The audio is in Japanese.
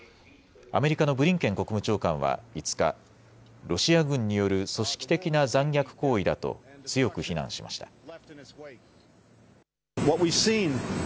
アメリカのブリンケン国務長官は５日、ロシア軍による組織的な残虐行為だと強く非難しました。